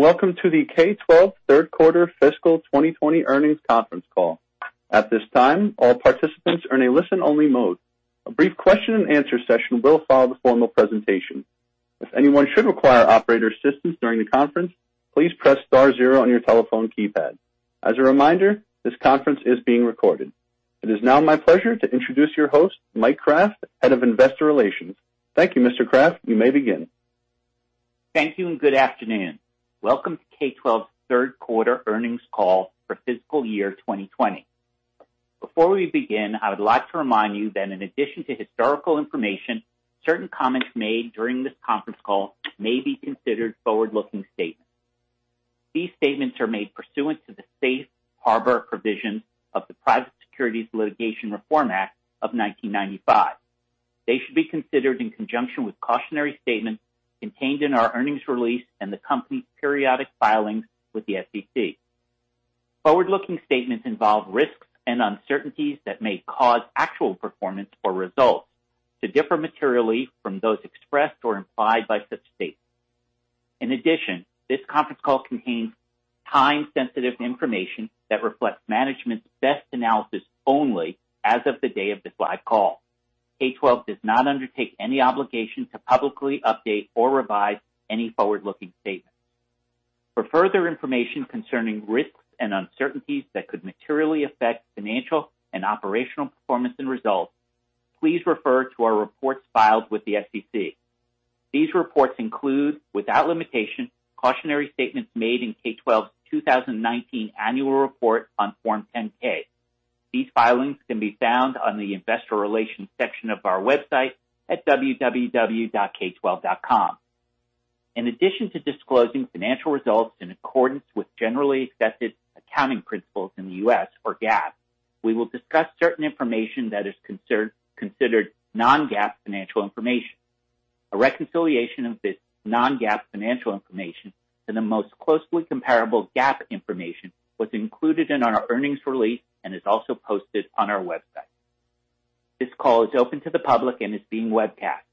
Welcome to the K12 Q3 Fiscal 2020 Earnings Conference Call. At this time, all participants are in a listen-only mode. A brief Q&A session will follow the formal presentation. If anyone should require operator assistance during the conference, please press star zero on your telephone keypad. As a reminder, this conference is being recorded. It is now my pleasure to introduce your host, Mike Kraft, Head of Investor Relations. Thank you, Mr. Kraft. You may begin. Thank you and good afternoon. Welcome to K12 Q3 Earnings Call for Fiscal Year 2020. Before we begin, I would like to remind you that in addition to historical information, certain comments made during this conference call may be considered forward-looking statements. These statements are made pursuant to the safe harbor provisions of the Private Securities Litigation Reform Act of 1995. They should be considered in conjunction with cautionary statements contained in our earnings release and the company's periodic filings with the SEC. Forward-looking statements involve risks and uncertainties that may cause actual performance or results to differ materially from those expressed or implied by such statements. In addition, this conference call contains time-sensitive information that reflects management's best analysis only as of the day of this live call. K12 does not undertake any obligation to publicly update or revise any forward-looking statements. For further information concerning risks and uncertainties that could materially affect financial and operational performance and results, please refer to our reports filed with the SEC. These reports include, without limitation, cautionary statements made in K12's 2019 annual report on Form 10-K. These filings can be found on the Investor Relations section of our website at www.k12.com. In addition to disclosing financial results in accordance with generally accepted accounting principles in the U.S., or GAAP, we will discuss certain information that is considered non-GAAP financial information. A reconciliation of this non-GAAP financial information to the most closely comparable GAAP information was included in our earnings release and is also posted on our website. This call is open to the public and is being webcast.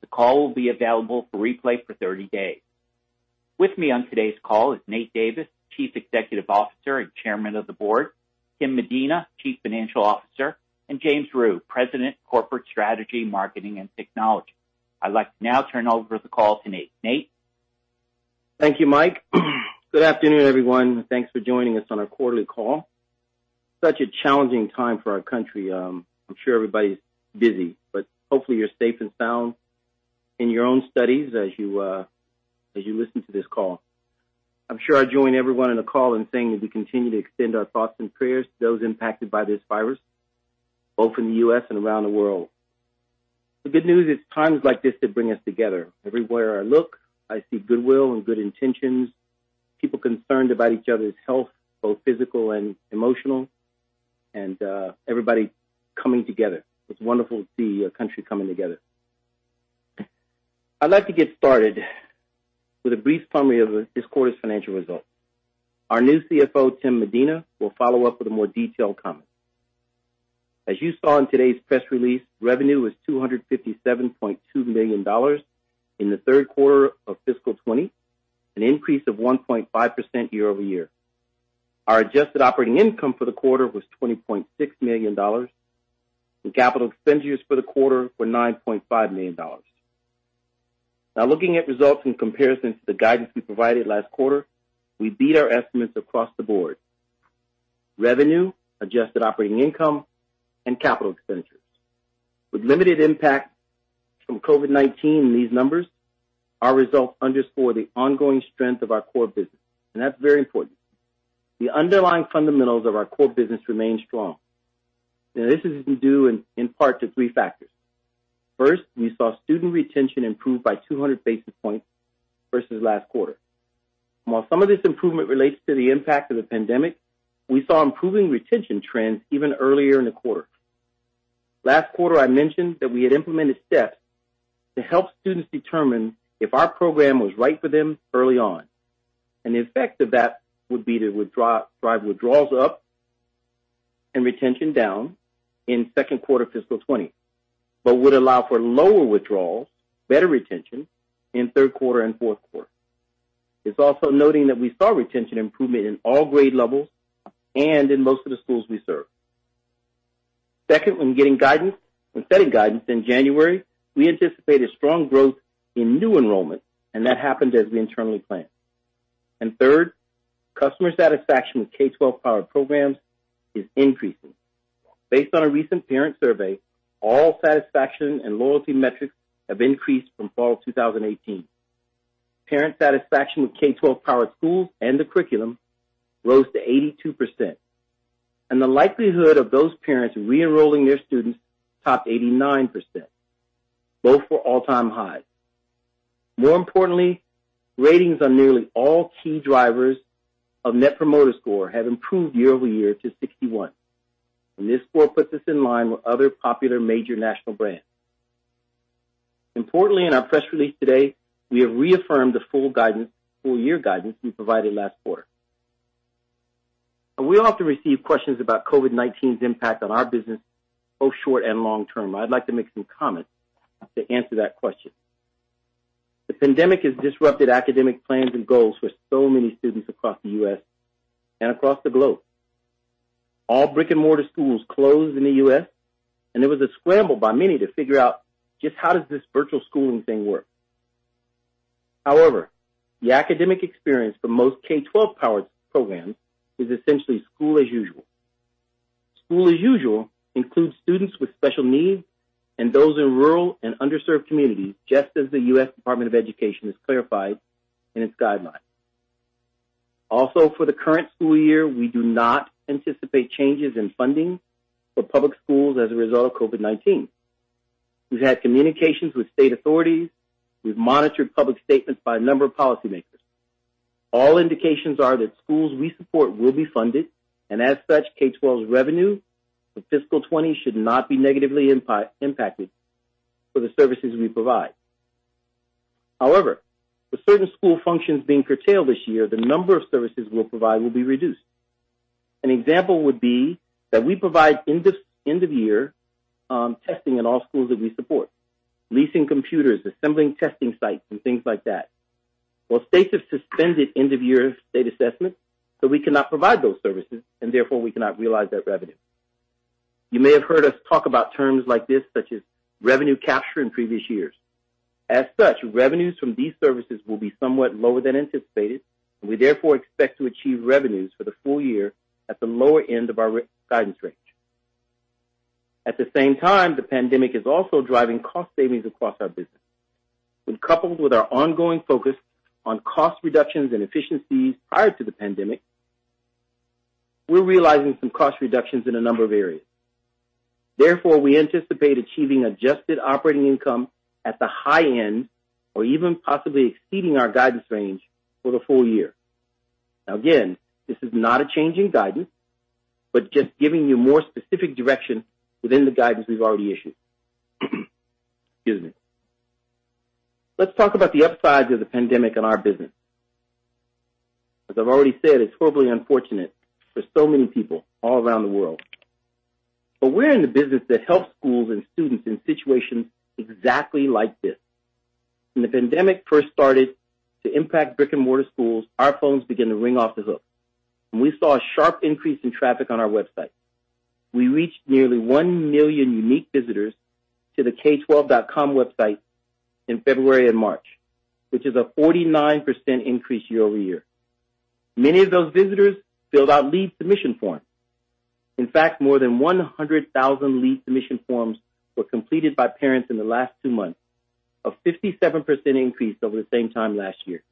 The call will be available for replay for 30 days. With me on today's call is Nate Davis, Chief Executive Officer and Chairman of the Board, Tim Medina, Chief Financial Officer, and James Rhyu, President, Corporate Strategy, Marketing, and Technology. I'd like to now turn over the call to Nate. Nate. Thank you, Mike. Good afternoon, everyone, and thanks for joining us on our quarterly call. Such a challenging time for our country. I'm sure everybody's busy, but hopefully you're safe and sound in your own studies as you listen to this call. I'm sure I'll join everyone on the call in saying that we continue to extend our thoughts and prayers to those impacted by this virus, both in the U.S. and around the world. The good news is times like this that bring us together. Everywhere I look, I see goodwill and good intentions, people concerned about each other's health, both physical and emotional, and everybody coming together. It's wonderful to see a country coming together. I'd like to get started with a brief summary of this quarter's financial results. Our new CFO, Tim Medina, will follow up with a more detailed comment. As you saw in today's press release, revenue was $257.2 million in the Q3 of fiscal 2020, an increase of 1.5% year- over-year. Our adjusted operating income for the quarter was $20.6 million, and capital expenditures for the quarter were $9.5 million. Now, looking at results in comparison to the guidance we provided last quarter, we beat our estimates across the board: revenue, adjusted operating income, and capital expenditures. With limited impact from COVID-19 in these numbers, our results underscore the ongoing strength of our core business, and that's very important. The underlying fundamentals of our core business remain strong. Now, this is due in part to three factors. First, we saw student retention improve by 200 basis points versus last quarter. While some of this improvement relates to the impact of the pandemic, we saw improving retention trends even earlier in the quarter. Last quarter, I mentioned that we had implemented steps to help students determine if our program was right for them early on. And the effect of that would be to drive withdrawals up and retention down in Q2 fiscal 2020, but would allow for lower withdrawals, better retention in Q3 and Q4. It's also noting that we saw retention improvement in all grade levels and in most of the schools we serve. Second, when getting guidance and setting guidance in January, we anticipated strong growth in new enrollment, and that happened as we internally planned. And third, customer satisfaction with K12-powered programs is increasing. Based on a recent parent survey, all satisfaction and loyalty metrics have increased from fall of 2018. Parent satisfaction with K12 powered schools and the curriculum rose to 82%, and the likelihood of those parents re-enrolling their students topped 89%, both for all-time highs. More importantly, ratings on nearly all key drivers of Net Promoter Score have improved year-over-year to 61, and this score puts us in line with other popular major national brands. Importantly, in our press release today, we have reaffirmed the full year guidance we provided last quarter. We often receive questions about COVID-19's impact on our business, both short and long term. I'd like to make some comments to answer that question. The pandemic has disrupted academic plans and goals for so many students across the U.S. and across the globe. All brick-and-mortar schools closed in the U.S., and it was a scramble by many to figure out just how does this virtual schooling thing work. However, the academic experience for most K12 powered programs is essentially school as usual. School as usual includes students with special needs and those in rural and underserved communities, just as the U.S. Department of Education has clarified in its guidelines. Also, for the current school year, we do not anticipate changes in funding for public schools as a result of COVID-19. We've had communications with state authorities. We've monitored public statements by a number of policymakers. All indications are that schools we support will be funded, and as such, K12's revenue for fiscal 2020 should not be negatively impacted for the services we provide. However, with certain school functions being curtailed this year, the number of services we'll provide will be reduced. An example would be that we provide end-of-year testing in all schools that we support: leasing computers, assembling testing sites, and things like that. States have suspended end-of-year state assessments, so we cannot provide those services, and therefore we cannot realize that revenue. You may have heard us talk about terms like this, such as revenue capture in previous years. As such, revenues from these services will be somewhat lower than anticipated, and we therefore expect to achieve revenues for the full year at the lower end of our guidance range. At the same time, the pandemic is also driving cost savings across our business. When coupled with our ongoing focus on cost reductions and efficiencies prior to the pandemic, we're realizing some cost reductions in a number of areas. Therefore, we anticipate achieving adjusted operating income at the high end or even possibly exceeding our guidance range for the full year. Now, again, this is not a change in guidance, but just giving you more specific direction within the guidance we've already issued. Excuse me. Let's talk about the upsides of the pandemic on our business. As I've already said, it's horribly unfortunate for so many people all around the world. But we're in the business that helps schools and students in situations exactly like this. When the pandemic first started to impact brick-and-mortar schools, our phones began to ring off the hook, and we saw a sharp increase in traffic on our website. We reached nearly one million unique visitors to the k12.com website in February and March, which is a 49% increase year-over year. Many of those visitors filled out lead submission forms. In fact, more than 100,000 lead submission forms were completed by parents in the last two months, a 57% increase over the same time last year.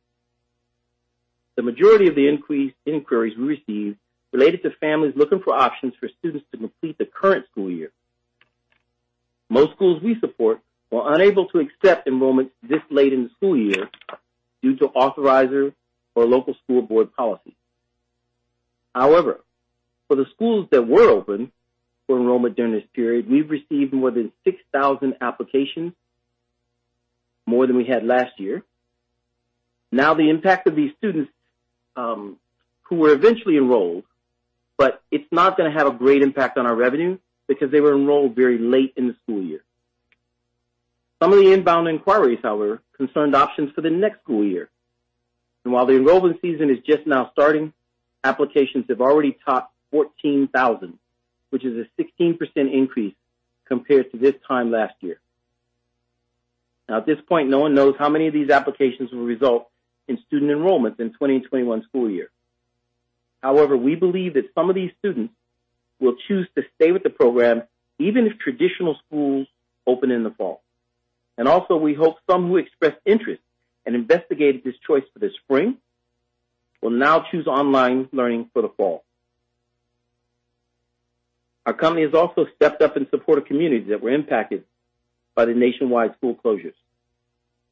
The majority of the increased inquiries we received related to families looking for options for students to complete the current school year. Most schools we support were unable to accept enrollments this late in the school year due to authorizer or local school board policy. However, for the schools that were open for enrollment during this period, we've received more than 6,000 applications, more than we had last year. Now, the impact of these students who were eventually enrolled, but it's not going to have a great impact on our revenue because they were enrolled very late in the school year. Some of the inbound inquiries, however, concerned options for the next school year. And while the enrollment season is just now starting, applications have already topped 14,000, which is a 16% increase compared to this time last year. Now, at this point, no one knows how many of these applications will result in student enrollments in 2021 school year. However, we believe that some of these students will choose to stay with the program even if traditional schools open in the fall. And also, we hope some who expressed interest and investigated this choice for the spring will now choose online learning for the fall. Our company has also stepped up in support of communities that were impacted by the nationwide school closures.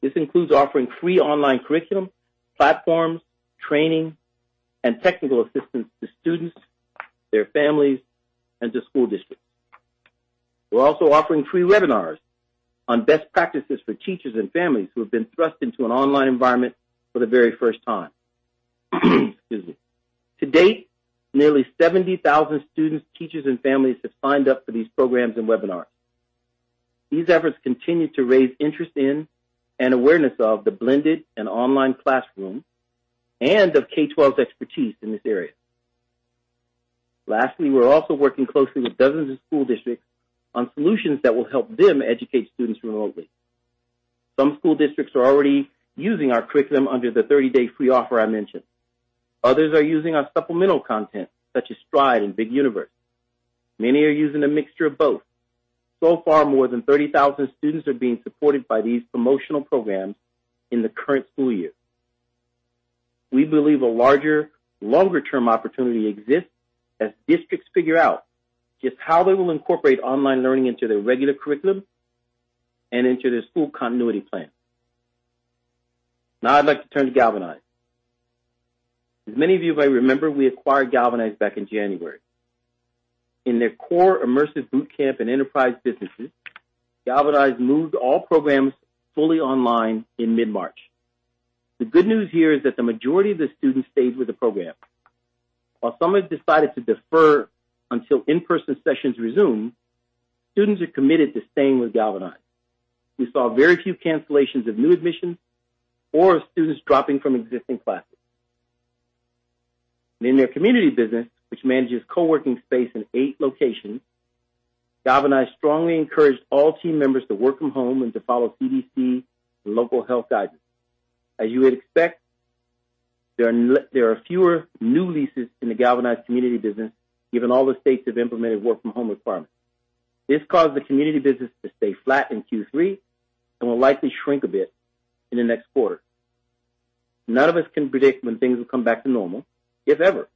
This includes offering free online curriculum, platforms, training, and technical assistance to students, their families, and to school districts. We're also offering free webinars on best practices for teachers and families who have been thrust into an online environment for the very first time. Excuse me. To date, nearly 70,000 students, teachers, and families have signed up for these programs and webinars. These efforts continue to raise interest in and awareness of the blended and online classroom and of K12's expertise in this area. Lastly, we're also working closely with dozens of school districts on solutions that will help them educate students remotely. Some school districts are already using our curriculum under the 30-day free offer I mentioned. Others are using our supplemental content, such as Stride and Big Universe. Many are using a mixture of both. So far, more than 30,000 students are being supported by these promotional programs in the current school year. We believe a larger, longer-term opportunity exists as districts figure out just how they will incorporate online learning into their regular curriculum and into their school continuity plan. Now, I'd like to turn to Galvanize. As many of you may remember, we acquired Galvanize back in January. In their core immersive bootcamp and enterprise businesses, Galvanize moved all programs fully online in mid-March. The good news here is that the majority of the students stayed with the program. While some have decided to defer until in-person sessions resume, students are committed to staying with Galvanize. We saw very few cancellations of new admissions or of students dropping from existing classes. In their community business, which manages co-working space in eight locations, Galvanize strongly encouraged all team members to work from home and to follow CDC and local health guidance. As you would expect, there are fewer new leases in the Galvanize community business, given all the states have implemented work-from-home requirements. This caused the community business to stay flat in Q3 and will likely shrink a bit in the next quarter. None of us can predict when things will come back to normal, if ever,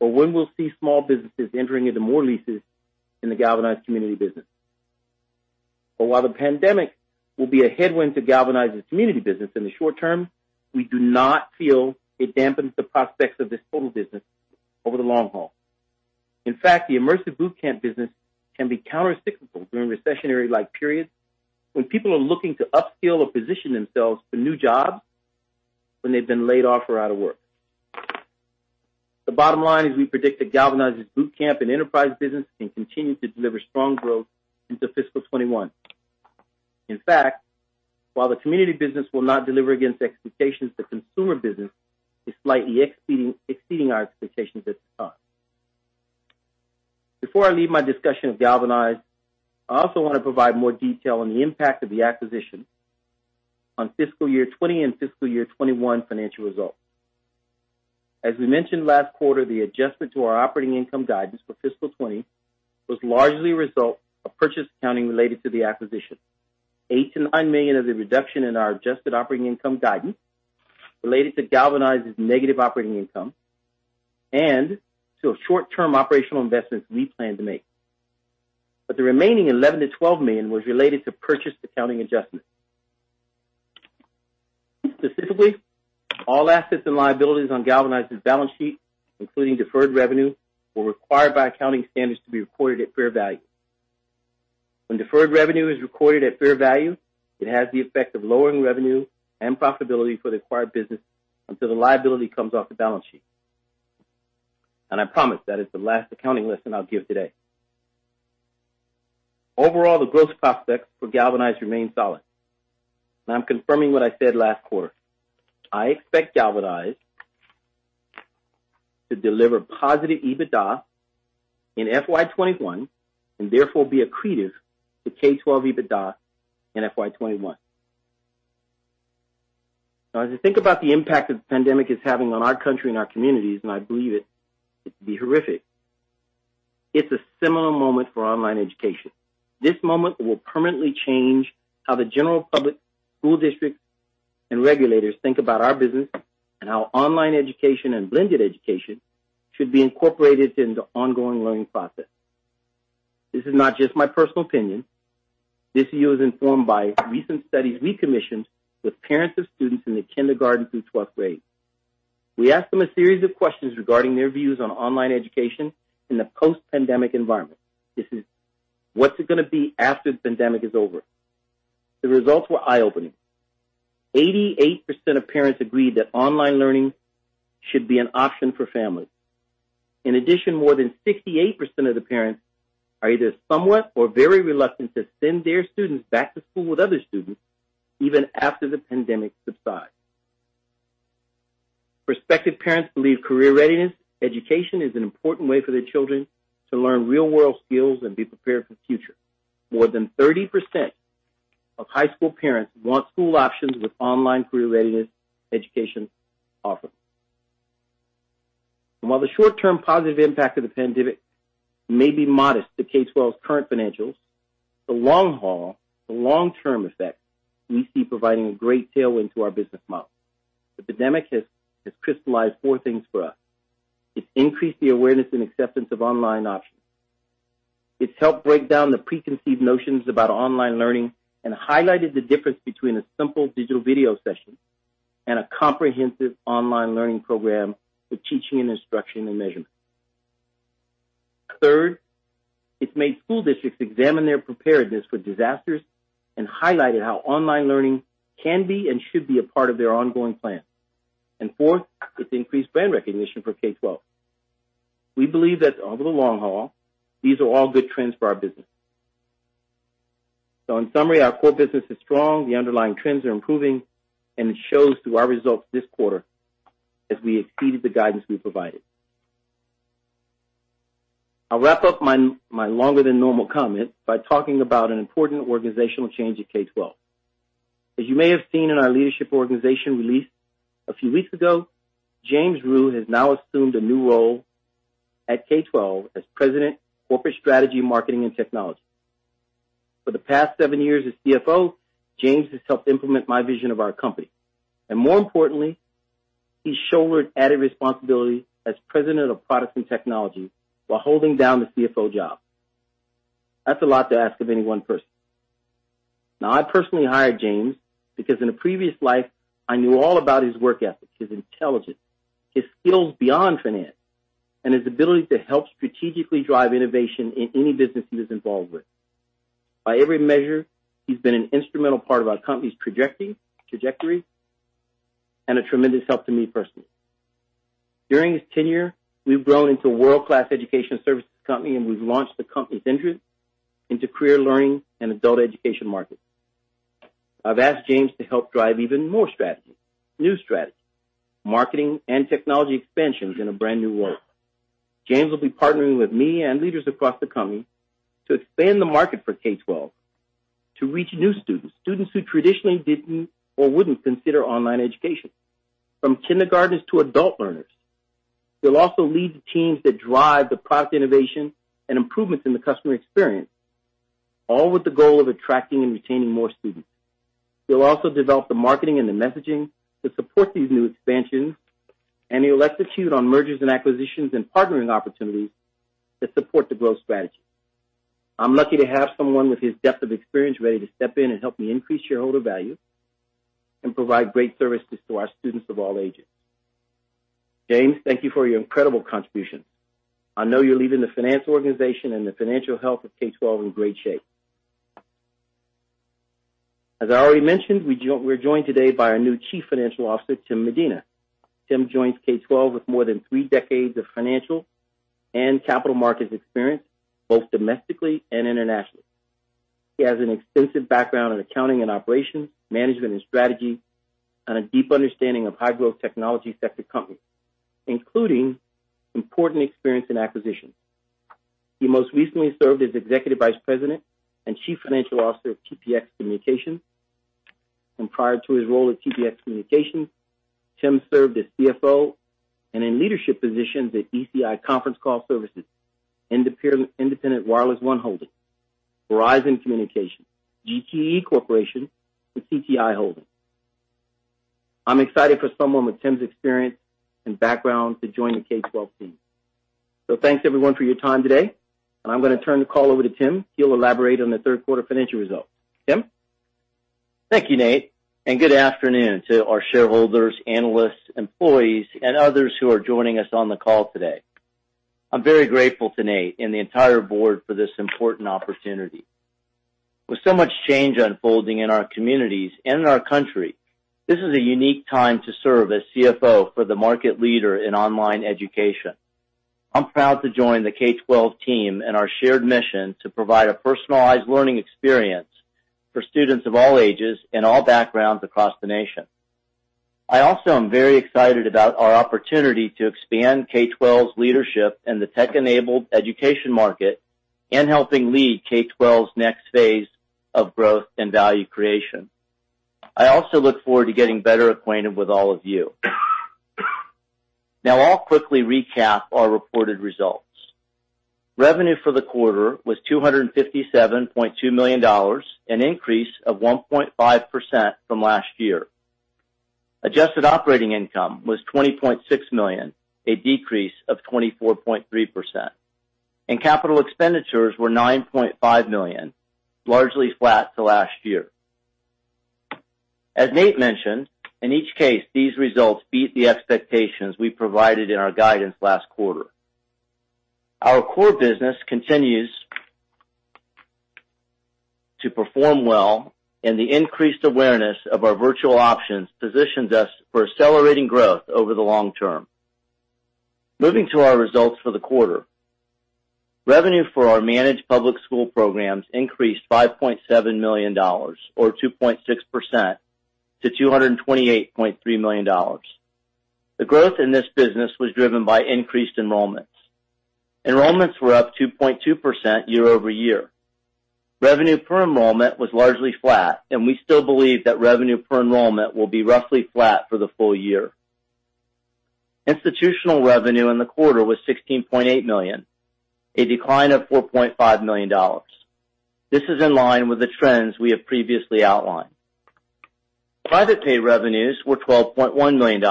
or when we'll see small businesses entering into more leases in the Galvanize community business. But while the pandemic will be a headwind to Galvanize's community business in the short term, we do not feel it dampens the prospects of this total business over the long haul. In fact, the Immersive Bootcamp business can be countercyclical during recessionary-like periods when people are looking to upskill or position themselves for new jobs when they've been laid off or out of work. The bottom line is we predict that Galvanize's bootcamp and enterprise business can continue to deliver strong growth into fiscal 2021. In fact, while the community business will not deliver against expectations, the consumer business is slightly exceeding our expectations at this time. Before I leave my discussion of Galvanize, I also want to provide more detail on the impact of the acquisition on fiscal year 2020 and fiscal year 2021 financial results. As we mentioned last quarter, the adjustment to our operating income guidance for fiscal 2020 was largely a result of purchase accounting related to the acquisition. $8 million-$9 million of the reduction in our adjusted operating income guidance related to Galvanize's negative operating income and to short-term operational investments we plan to make. But the remaining $11 million-$12 million was related to purchase accounting adjustments. Specifically, all assets and liabilities on Galvanize's balance sheet, including deferred revenue, were required by accounting standards to be recorded at fair value. When deferred revenue is recorded at fair value, it has the effect of lowering revenue and profitability for the acquired business until the liability comes off the balance sheet, and I promise that is the last accounting lesson I'll give today. Overall, the growth prospects for Galvanize remain solid, and I'm confirming what I said last quarter. I expect Galvanize to deliver positive EBITDA in FY 2021 and therefore be accretive to K12 EBITDA in FY 2021. Now, as I think about the impact that the pandemic is having on our country and our communities, and I believe it to be horrific, it's a similar moment for online education. This moment will permanently change how the general public, school districts, and regulators think about our business and how online education and blended education should be incorporated into the ongoing learning process. This is not just my personal opinion. This view is informed by recent studies we commissioned with parents of students in the kindergarten through 12th grade. We asked them a series of questions regarding their views on online education in the post-pandemic environment. This is what's it going to be after the pandemic is over? The results were eye-opening. 88% of parents agreed that online learning should be an option for families. In addition, more than 68% of the parents are either somewhat or very reluctant to send their students back to school with other students even after the pandemic subsides. Prospective parents believe career readiness education is an important way for their children to learn real-world skills and be prepared for the future. More than 30% of high school parents want school options with online career readiness education offered. And while the short-term positive impact of the pandemic may be modest to K12's current financials, the long haul, the long-term effect, we see providing a great tailwind to our business model. The pandemic has crystallized four things for us. It's increased the awareness and acceptance of online options. It's helped break down the preconceived notions about online learning and highlighted the difference between a simple digital video session and a comprehensive online learning program with teaching and instruction and measurement. Third, it's made school districts examine their preparedness for disasters and highlighted how online learning can be and should be a part of their ongoing plan. Fourth, it's increased brand recognition for K12. We believe that over the long haul, these are all good trends for our business. In summary, our core business is strong, the underlying trends are improving, and it shows through our results this quarter as we exceeded the guidance we provided. I'll wrap up my longer-than-normal comment by talking about an important organizational change at K12. As you may have seen in our leadership reorganization release a few weeks ago, James Rhyu has now assumed a new role at K12 as President, Corporate Strategy, Marketing, and Technology. For the past seven years as CFO, James has helped implement my vision of our company. More importantly, he shouldered added responsibility as president of products and technology while holding down the CFO job. That's a lot to ask of any one person. Now, I personally hired James because in a previous life, I knew all about his work ethic, his intelligence, his skills beyond finance, and his ability to help strategically drive innovation in any business he was involved with. By every measure, he's been an instrumental part of our company's trajectory and a tremendous help to me personally. During his tenure, we've grown into a world-class education services company, and we've launched the company's entrance into career learning and adult education markets. I've asked James to help drive even more strategy, new strategy, marketing, and technology expansions in a brand new role. James will be partnering with me and leaders across the company to expand the market for K12 to reach new students, students who traditionally didn't or wouldn't consider online education. From kindergartners to adult learners, he'll also lead the teams that drive the product innovation and improvements in the customer experience, all with the goal of attracting and retaining more students. He'll also develop the marketing and the messaging to support these new expansions and the execution on mergers and acquisitions and partnering opportunities that support the growth strategy. I'm lucky to have someone with his depth of experience ready to step in and help me increase shareholder value and provide great services to our students of all ages. James, thank you for your incredible contributions. I know you're leaving the finance organization and the financial health of K12 in great shape. As I already mentioned, we're joined today by our new Chief Financial Officer, Tim Medina. Tim joins K12 with more than three decades of financial and capital markets experience, both domestically and internationally. He has an extensive background in accounting and operations, management, and strategy, and a deep understanding of high-growth technology sector companies, including important experience in acquisitions. He most recently served as executive vice president and chief financial officer of TPx Communications. And prior to his role at TPx Communications, Tim served as CFO and in leadership positions at ECI Conference Call Services, Independent Wireless One Holdings, Verizon Communications, GTE Corporation, and CTI Holdings. I'm excited for someone with Tim's experience and background to join the K12 team. So thanks, everyone, for your time today. And I'm going to turn the call over to Tim. He'll elaborate on the Q3 financial results. Tim? Thank you, Nate. And good afternoon to our shareholders, analysts, employees, and others who are joining us on the call today. I'm very grateful to Nate and the entire board for this important opportunity. With so much change unfolding in our communities and in our country, this is a unique time to serve as CFO for the market leader in online education. I'm proud to join the K12 team and our shared mission to provide a personalized learning experience for students of all ages and all backgrounds across the nation. I also am very excited about our opportunity to expand K12's leadership in the tech-enabled education market and helping lead K12's next phase of growth and value creation. I also look forward to getting better acquainted with all of you. Now, I'll quickly recap our reported results. Revenue for the quarter was $257.2 million, an increase of 1.5% from last year. Adjusted operating income was $20.6 million, a decrease of 24.3%. And capital expenditures were $9.5 million, largely flat to last year. As Nate mentioned, in each case, these results beat the expectations we provided in our guidance last quarter. Our core business continues to perform well, and the increased awareness of our virtual options positions us for accelerating growth over the long term. Moving to our results for the quarter, revenue for our managed public school programs increased $5.7 million, or 2.6%, to $228.3 million. The growth in this business was driven by increased enrollments. Enrollments were up 2.2% year-over-year. Revenue per enrollment was largely flat, and we still believe that revenue per enrollment will be roughly flat for the full year. Institutional revenue in the quarter was $16.8 million, a decline of $4.5 million. This is in line with the trends we have previously outlined. Private pay revenues were $12.1 million,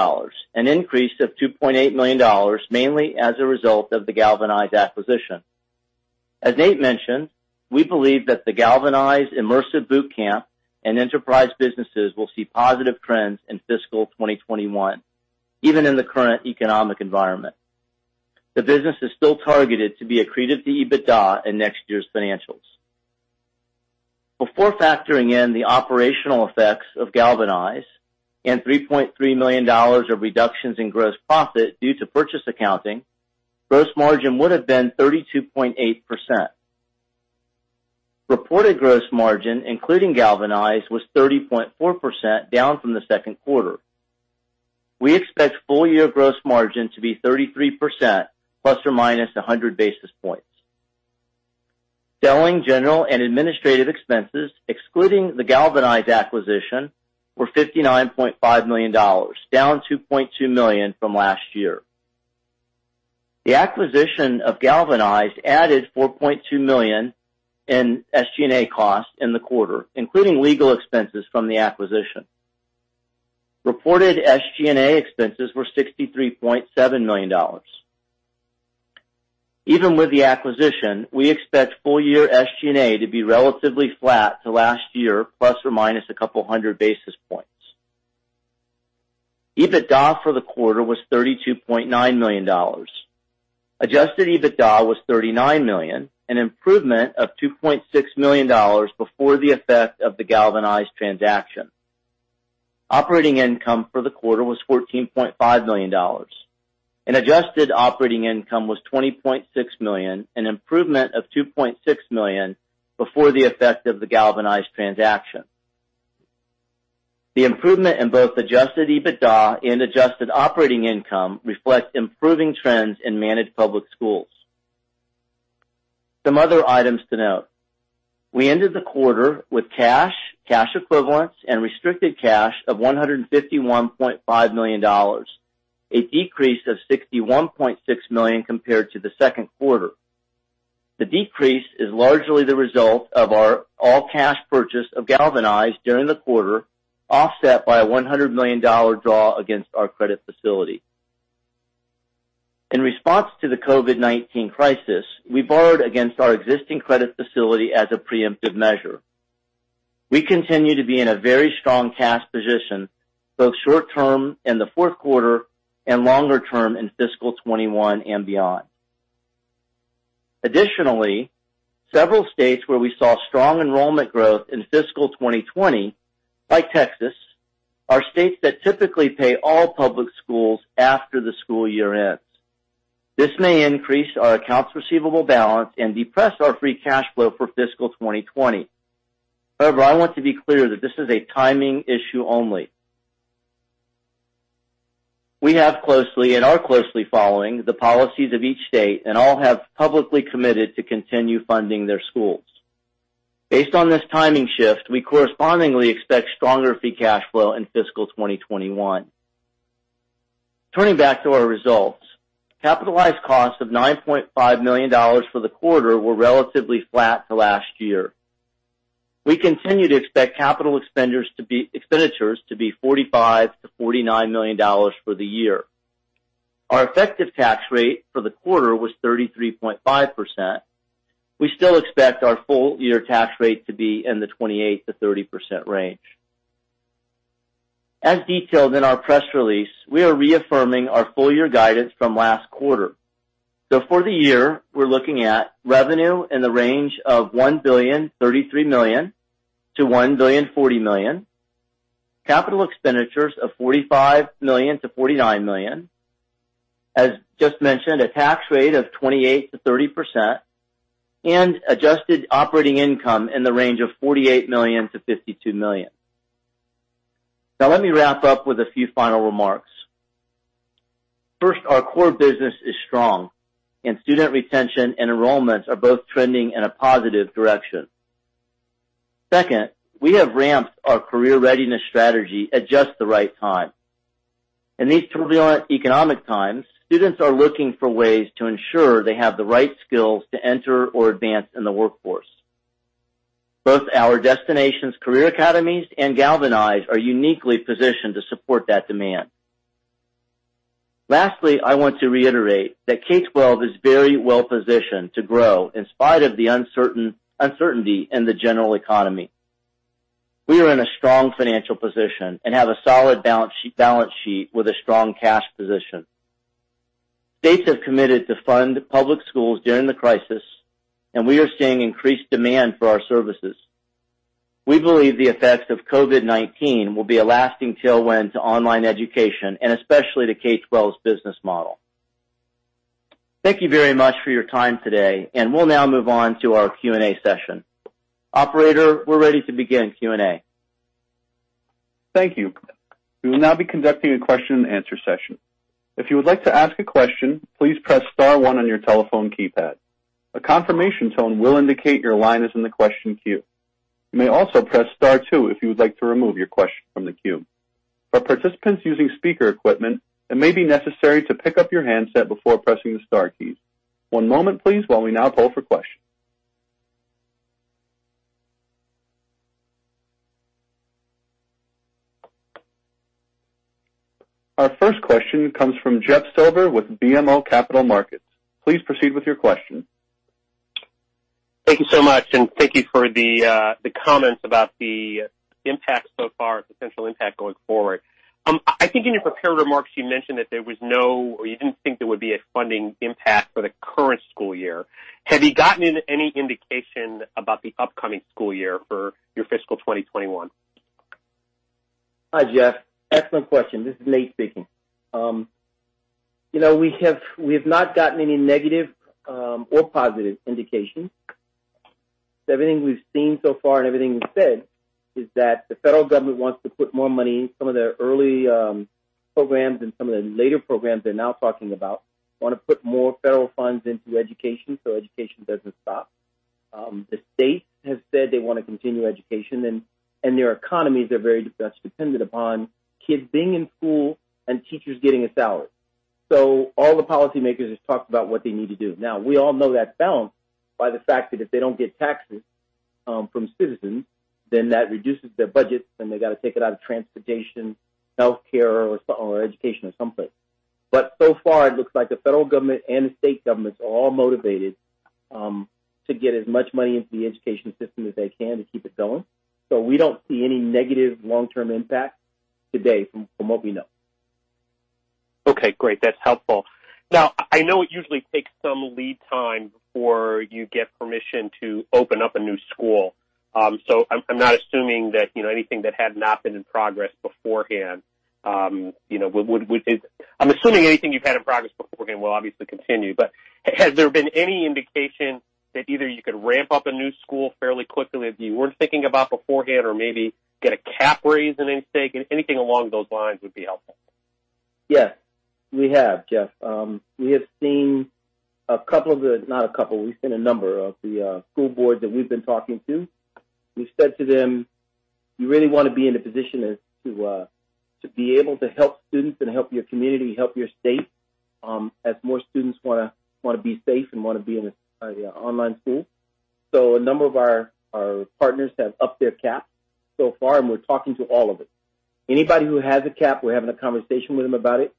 an increase of $2.8 million, mainly as a result of the Galvanize acquisition. As Nate mentioned, we believe that the Galvanize immersive bootcamp and enterprise businesses will see positive trends in fiscal 2021, even in the current economic environment. The business is still targeted to be accretive to EBITDA in next year's financials. Before factoring in the operational effects of Galvanize and $3.3 million of reductions in gross profit due to purchase accounting, gross margin would have been 32.8%. Reported gross margin, including Galvanize, was 30.4%, down from the Q2. We expect full-year gross margin to be 33%, plus or minus 100 basis points. Selling general and administrative expenses, excluding the Galvanize acquisition, were $59.5 million, down $2.2 million from last year. The acquisition of Galvanize added $4.2 million in SG&A costs in the quarter, including legal expenses from the acquisition. Reported SG&A expenses were $63.7 million. Even with the acquisition, we expect full-year SG&A to be relatively flat to last year, plus or minus a couple hundred basis points. EBITDA for the quarter was $32.9 million. Adjusted EBITDA was $39 million, an improvement of $2.6 million before the effect of the Galvanize transaction. Operating income for the quarter was $14.5 million, and adjusted operating income was $20.6 million, an improvement of $2.6 million before the effect of the Galvanize transaction. The improvement in both adjusted EBITDA and adjusted operating income reflects improving trends in managed public schools. Some other items to note. We ended the quarter with cash, cash equivalents, and restricted cash of $151.5 million, a decrease of $61.6 million compared to the Q2. The decrease is largely the result of our all-cash purchase of Galvanize during the quarter, offset by a $100 million draw against our credit facility. In response to the COVID-19 crisis, we borrowed against our existing credit facility as a preemptive measure. We continue to be in a very strong cash position, both short-term in the Q4 and longer-term in fiscal 2021 and beyond. Additionally, several states where we saw strong enrollment growth in fiscal 2020, like Texas, are states that typically pay all public schools after the school year ends. This may increase our accounts receivable balance and depress our free cash flow for fiscal 2020. However, I want to be clear that this is a timing issue only. We have and are closely following the policies of each state, and all have publicly committed to continue funding their schools. Based on this timing shift, we correspondingly expect stronger free cash flow in fiscal 2021. Turning back to our results, capitalized costs of $9.5 million for the quarter were relatively flat to last year. We continue to expect capital expenditures to be $45 to 49 million for the year. Our effective tax rate for the quarter was 33.5%. We still expect our full-year tax rate to be in the 28% to 30% range. As detailed in our press release, we are reaffirming our full-year guidance from last quarter. So for the year, we're looking at revenue in the range of $1 billion, $33 million to $1 billion, $40 million, capital expenditures of $45 to 49 million, as just mentioned, a tax rate of 28% to 30%, and adjusted operating income in the range of $48 to 52 million. Now, let me wrap up with a few final remarks. First, our core business is strong, and student retention and enrollments are both trending in a positive direction. Second, we have ramped our career readiness strategy at just the right time. In these turbulent economic times, students are looking for ways to ensure they have the right skills to enter or advance in the workforce. Both our Destinations Career Academies and Galvanize are uniquely positioned to support that demand. Lastly, I want to reiterate that K12 is very well positioned to grow in spite of the uncertainty in the general economy. We are in a strong financial position and have a solid balance sheet with a strong cash position. States have committed to fund public schools during the crisis, and we are seeing increased demand for our services. We believe the effects of COVID-19 will be a lasting tailwind to online education and especially to K12's business model. Thank you very much for your time today, and we'll now move on to our Q&A session. Operator, we're ready to begin Q&A. Thank you. We will now be conducting a question-and-answer session. If you would like to ask a question, please press Star 1 on your telephone keypad. A confirmation tone will indicate your line is in the question queue. You may also press Star 2 if you would like to remove your question from the queue. For participants using speaker equipment, it may be necessary to pick up your handset before pressing the Star keys. One moment, please, while we now poll for questions. Our first question comes from Jeff Silber with BMO Capital Markets. Please proceed with your question. Thank you so much, and thank you for the comments about the impact so far, potential impact going forward. I think in your prepared remarks, you mentioned that there was no or you didn't think there would be a funding impact for the current school year. Have you gotten any indication about the upcoming school year for your fiscal 2021? Hi, Jeff. Excellent question. This is Nate speaking. We have not gotten any negative or positive indications. Everything we've seen so far and everything we've said is that the federal government wants to put more money in some of their early programs and some of the later programs they're now talking about. They want to put more federal funds into education so education doesn't stop. The states have said they want to continue education, and their economies are very much dependent upon kids being in school and teachers getting a salary. So all the policymakers have talked about what they need to do. Now, we all know that's balanced by the fact that if they don't get taxes from citizens, then that reduces their budget, and they got to take it out of transportation, healthcare, or education or something, but so far, it looks like the federal government and the state governments are all motivated to get as much money into the education system as they can to keep it going, so we don't see any negative long-term impact today from what we know. Okay. Great. That's helpful. Now, I know it usually takes some lead time before you get permission to open up a new school, so I'm not assuming that anything that had not been in progress beforehand. I'm assuming anything you've had in progress beforehand will obviously continue. But has there been any indication that either you could ramp up a new school fairly quickly that you weren't thinking about beforehand or maybe get a cap raise, in any state, and anything along those lines would be helpful? Yes. We have, Jeff. We've seen a number of the school boards that we've been talking to. We've said to them, "You really want to be in a position to be able to help students and help your community, help your state, as more students want to be safe and want to be in an online school." So a number of our partners have upped their cap so far, and we're talking to all of them. Anybody who has a cap, we're having a conversation with them about it.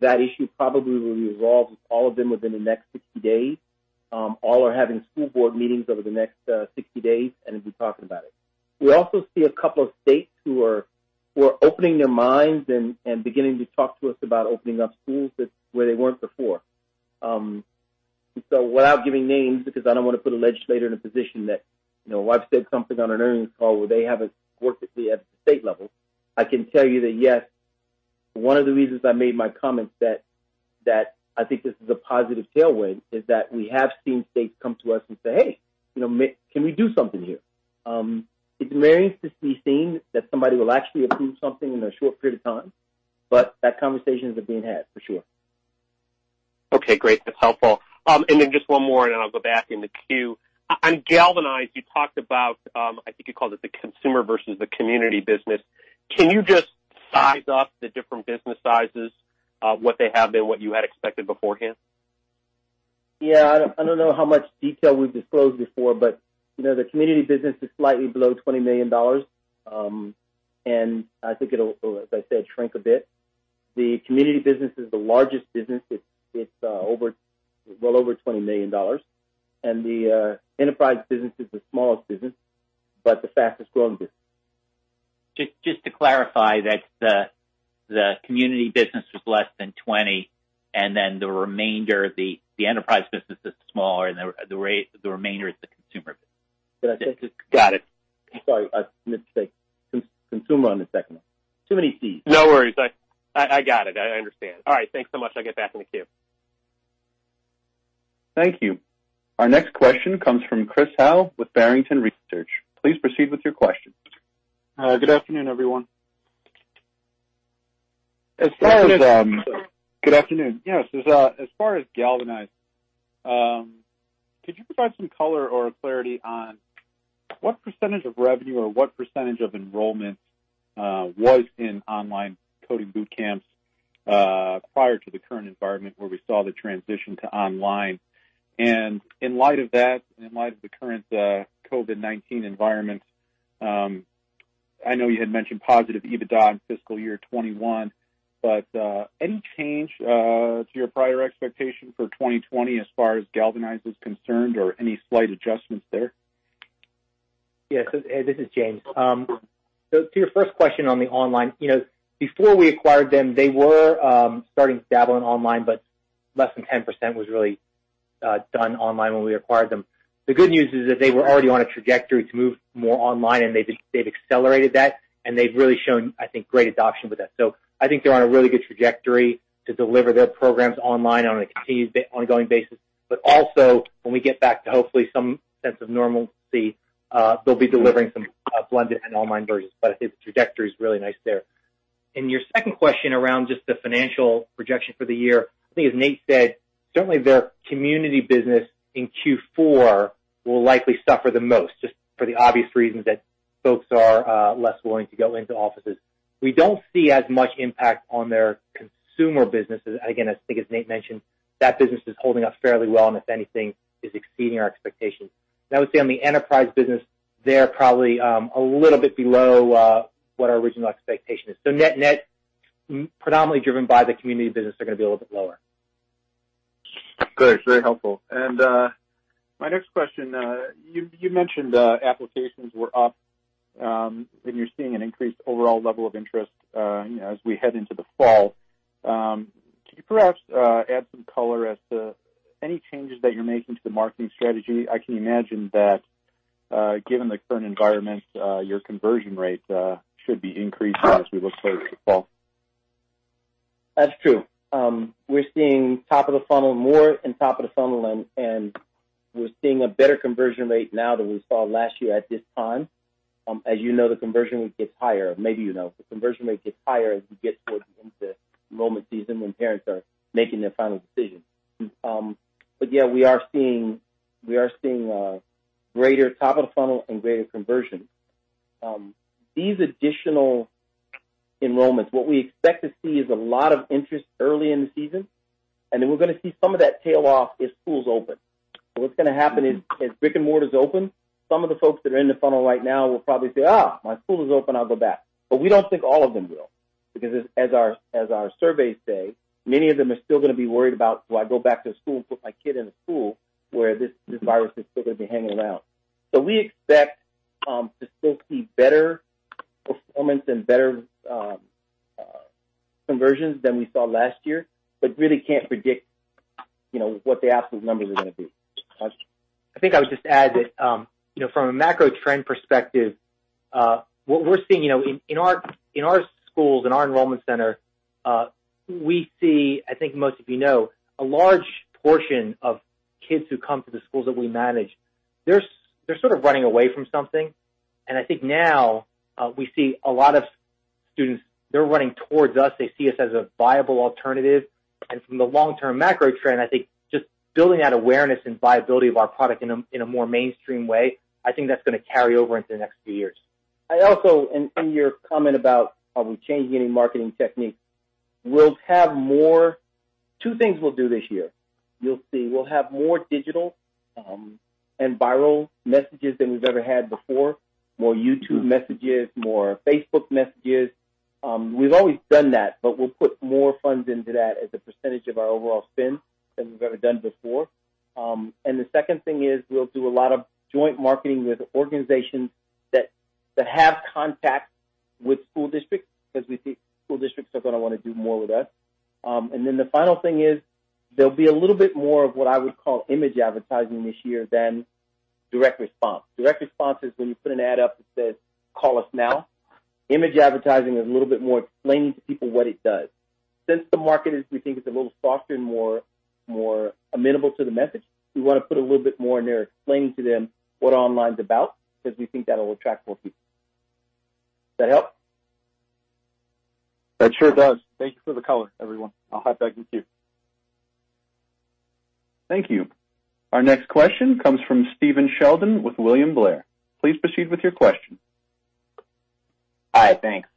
That issue probably will resolve with all of them within the next 60 days. All are having school board meetings over the next 60 days, and we'll be talking about it. We also see a couple of states who are opening their minds and beginning to talk to us about opening up schools where they weren't before. So without giving names, because I don't want to put a legislator in a position that I've said something on an earnings call where they haven't worked at the state level, I can tell you that, yes, one of the reasons I made my comments that I think this is a positive tailwind is that we have seen states come to us and say, "Hey, can we do something here?" It's very interesting to see that somebody will actually approve something in a short period of time, but that conversation is being had, for sure. Okay. Great. That's helpful. And then just one more, and then I'll go back in the queue. On Galvanize, you talked about, I think you called it the consumer versus the community business. Can you just size up the different business sizes, what they have and what you had expected beforehand? Yeah. I don't know how much detail we've disclosed before, but the community business is slightly below $20 million, and I think it'll, as I said, shrink a bit. The community business is the largest business. It's well over $20 million, and the enterprise business is the smallest business, but the fastest-growing business. Just to clarify, that the community business was less than 20, and then the remainder, the enterprise business is smaller, and the remainder is the consumer business. Did I say it? Got it. Sorry. I missed the consumer on the second one. Too many Cs. No worries. I got it. I understand. All right. Thanks so much. I'll get back in the queue. Thank you. Our next question comes from Chris Howe with Barrington Research. Please proceed with your question. Good afternoon, everyone. As far as. Good afternoon. Yes. As far as Galvanize, could you provide some color or clarity on what percentage of revenue or what percentage of enrollment was in online coding boot camps prior to the current environment where we saw the transition to online? And in light of that, in light of the current COVID-19 environment, I know you had mentioned positive EBITDA in fiscal year 2021, but any change to your prior expectation for 2020 as far as Galvanize is concerned or any slight adjustments there? Yes. This is James. To your first question on the online, before we acquired them, they were starting to dabble in online, but less than 10% was really done online when we acquired them. The good news is that they were already on a trajectory to move more online, and they've accelerated that, and they've really shown, I think, great adoption with that. So I think they're on a really good trajectory to deliver their programs online on an ongoing basis. But also, when we get back to hopefully some sense of normalcy, they'll be delivering some blended and online versions. But I think the trajectory is really nice there. And your second question around just the financial projection for the year, I think, as Nate said, certainly their community business in Q4 will likely suffer the most just for the obvious reasons that folks are less willing to go into offices. We don't see as much impact on their consumer businesses. Again, I think, as Nate mentioned, that business is holding up fairly well, and if anything, is exceeding our expectations. And I would say on the enterprise business, they're probably a little bit below what our original expectation is. So net-net, predominantly driven by the community business, they're going to be a little bit lower. Good. Very helpful. And my next question, you mentioned applications were up, and you're seeing an increased overall level of interest as we head into the fall. Can you perhaps add some color as to any changes that you're making to the marketing strategy? I can imagine that, given the current environment, your conversion rate should be increasing as we look forward to the fall. That's true. We're seeing top of the funnel, more in top of the funnel, and we're seeing a better conversion rate now than we saw last year at this time. As you know, the conversion rate gets higher. Maybe you know. The conversion rate gets higher as we get towards the end of enrollment season when parents are making their final decision. But yeah, we are seeing greater top of the funnel and greater conversion. These additional enrollments, what we expect to see is a lot of interest early in the season, and then we're going to see some of that tail off if school's open. So what's going to happen is, as brick-and-mortar is open, some of the folks that are in the funnel right now will probably say, my school is open. I'll go back." But we don't think all of them will because, as our surveys say, many of them are still going to be worried about, "Do I go back to school and put my kid in a school where this virus is still going to be hanging around?" So we expect to still see better performance and better conversions than we saw last year, but really can't predict what the absolute numbers are going to be. I think I would just add that from a macro trend perspective, what we're seeing in our schools, in our enrollment center, we see. I think most of you know, a large portion of kids who come to the schools that we manage, they're sort of running away from something. And I think now we see a lot of students, they're running towards us. They see us as a viable alternative. From the long-term macro trend, I think just building that awareness and viability of our product in a more mainstream way, I think that's going to carry over into the next few years. Also, in your comment about are we changing any marketing techniques, we'll have two things we'll do this year. You'll see. We'll have more digital and viral messages than we've ever had before, more YouTube messages, more Facebook messages. We've always done that, but we'll put more funds into that as a percentage of our overall spend than we've ever done before. And the second thing is we'll do a lot of joint marketing with organizations that have contact with school districts because we think school districts are going to want to do more with us. And then the final thing is there'll be a little bit more of what I would call image advertising this year than direct response. Direct response is when you put an ad up that says, "Call us now." Image advertising is a little bit more explaining to people what it does. Since the market, we think, is a little softer and more amenable to the message, we want to put a little bit more in there explaining to them what online's about because we think that'll attract more people. Does that help? That sure does. Thank you for the color, everyone. I'll hop back in the queue. Thank you. Our next question comes from Steven Sheldon with William Blair. Please proceed with your question. Hi. Thanks.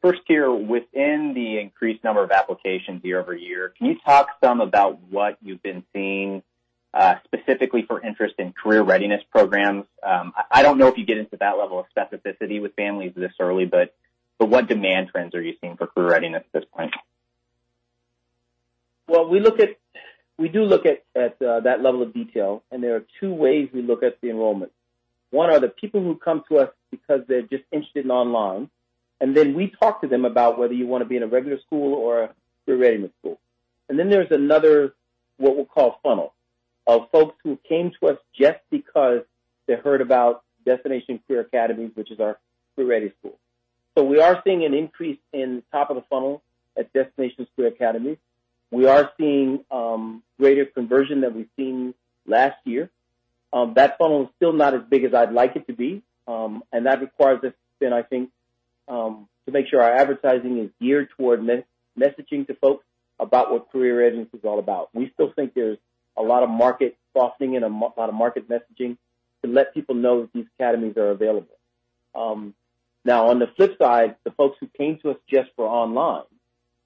First here, within the increased number of applications year-over-year, can you talk some about what you've been seeing specifically for interest in career readiness programs? I don't know if you get into that level of specificity with families this early, but what demand trends are you seeing for career readiness at this point? We do look at that level of detail, and there are two ways we look at the enrollment. One are the people who come to us because they're just interested in online, and then we talk to them about whether you want to be in a regular school or a career readiness school, then there's another what we'll call funnel of folks who came to us just because they heard about Destinations Career Academy, which is our career readiness school. We are seeing an increase in top of the funnel at Destinations Career Academy. We are seeing greater conversion than we've seen last year. That funnel is still not as big as I'd like it to be, and that requires us to spend, I think, to make sure our advertising is geared toward messaging to folks about what career readiness is all about. We still think there's a lot of market softening and a lot of market messaging to let people know that these academies are available. Now, on the flip side, the folks who came to us just for online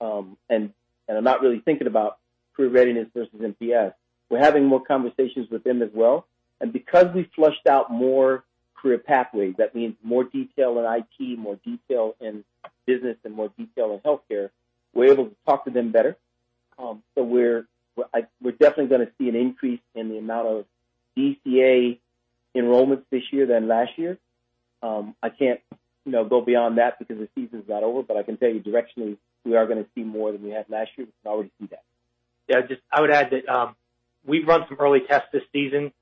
and are not really thinking about career readiness versus MPS, we're having more conversations with them as well. And because we fleshed out more career pathways, that means more detail in IT, more detail in business, and more detail in healthcare, we're able to talk to them better. So, we're definitely going to see an increase in the amount of DCA enrollments this year than last year. I can't go beyond that because the season's not over, but I can tell you directionally, we are going to see more than we had last year. We can already see that. Yeah. I would add that we've run some early tests this season,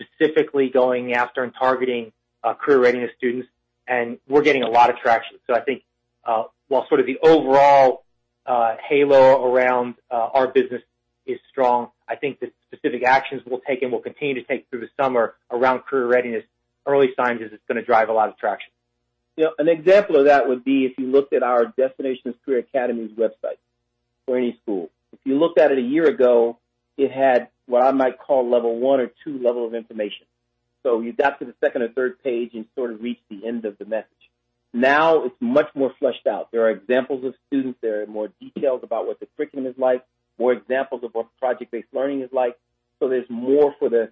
specifically going after and targeting career readiness students, and we're getting a lot of traction. So, I think while sort of the overall halo around our business is strong, I think the specific actions we'll take and we'll continue to take through the summer around career readiness. Early signs is it's going to drive a lot of traction. An example of that would be if you looked at our Destinations Career Academy's website for any school. If you looked at it a year ago, it had what I might call level one or two level of information. So you got to the second or third page and sort of reached the end of the message. Now it's much more fleshed out. There are examples of students. There are more details about what the curriculum is like, more examples of what project-based learning is like. So there's more for the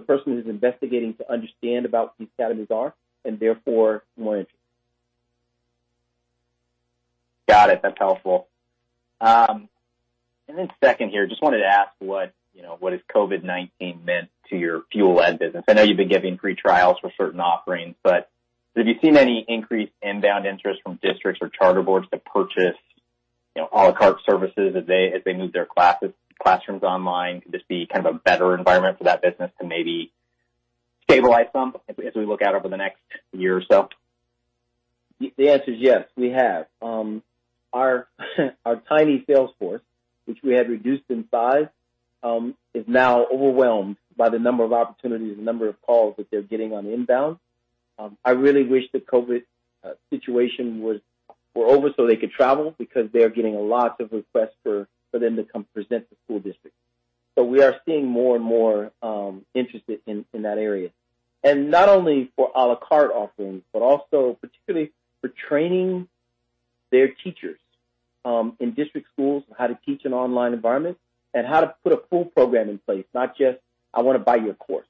person who's investigating to understand about what these academies are and therefore more interest. Got it. That's helpful. And then second here, just wanted to ask what has COVID-19 meant to your FuelEd business? I know you've been giving free trials for certain offerings, but have you seen any increased inbound interest from districts or charter boards to purchase a la carte services as they move their classrooms online? Could this be kind of a better environment for that business to maybe stabilize some as we look out over the next year or so? The answer is yes. We have. Our tiny sales force, which we had reduced in size, is now overwhelmed by the number of opportunities and the number of calls that they're getting on inbound. I really wish the COVID situation were over so they could travel because they're getting lots of requests for them to come present to school districts. So we are seeing more and more interest in that area. Not only for a la carte offerings, but also particularly for training their teachers in district schools on how to teach in online environments and how to put a full program in place, not just, "I want to buy your course."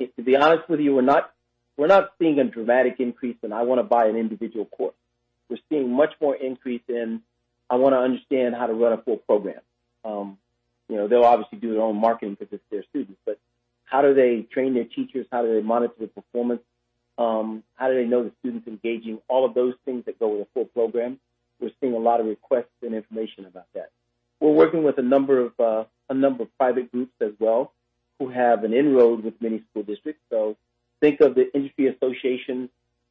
To be honest with you, we're not seeing a dramatic increase in, "I want to buy an individual course." We're seeing much more increase in, "I want to understand how to run a full program." They'll obviously do their own marketing because it's their students, but how do they train their teachers? How do they monitor the performance? How do they know the students engaging? All of those things that go with a full program, we're seeing a lot of requests and information about that. We're working with a number of private groups as well who have an inroad with many school districts. So think of the industry associations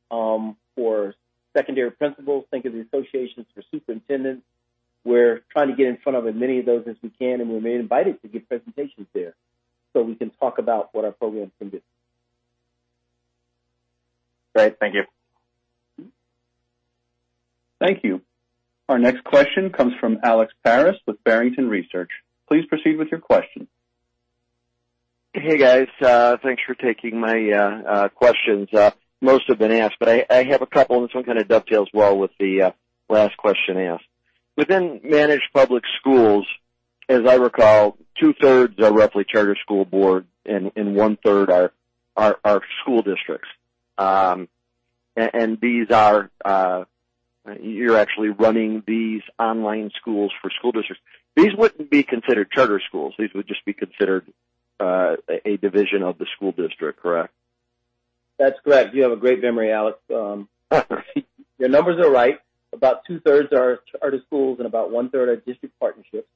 for secondary principals. Think of the associations for superintendents. We're trying to get in front of as many of those as we can, and we're invited to give presentations there so we can talk about what our program can do. Great. Thank you. Thank you. Our next question comes from Alex Paris with Barrington Research. Please proceed with your question. Hey, guys. Thanks for taking my questions. Most have been asked, but I have a couple, and this one kind of dovetails well with the last question asked. Within managed public schools, as I recall, two-thirds are roughly charter school boards, and one-third are school districts. And you're actually running these online schools for school districts. These wouldn't be considered charter schools. These would just be considered a division of the school district, correct? That's correct. You have a great memory, Alex. Your numbers are right. About two-thirds are charter schools and about one-third are district partnerships.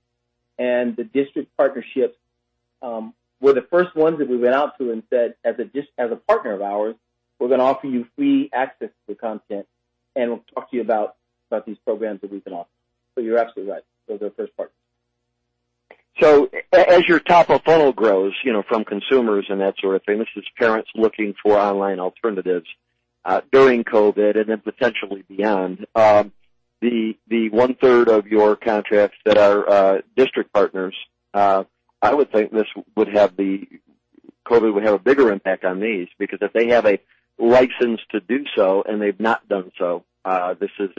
And the district partnerships, we're the first ones that we went out to and said, "As a partner of ours, we're going to offer you free access to the content and we'll talk to you about these programs that we can offer." So you're absolutely right. Those are our first partners. So as your top of funnel grows from consumers and that sort of thing, this is parents looking for online alternatives during COVID and then potentially beyond, the one-third of your contracts that are district partners. I would think this would have the COVID would have a bigger impact on these because if they have a license to do so and they've not done so, this is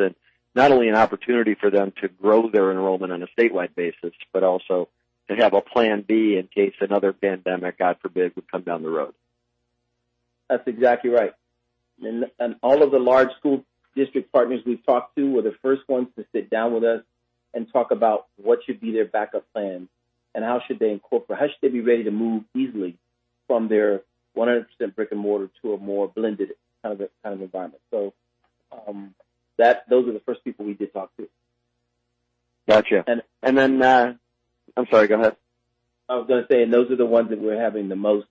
not only an opportunity for them to grow their enrollment on a statewide basis, but also to have a plan B in case another pandemic, God forbid, would come down the road. That's exactly right. All of the large school district partners we've talked to were the first ones to sit down with us and talk about what should be their backup plan and how should they incorporate how should they be ready to move easily from their 100% brick-and-mortar to a more blended kind of environment. So those are the first people we did talk to. Gotcha. Then I'm sorry. Go ahead. I was going to say, and those are the ones that we're having the most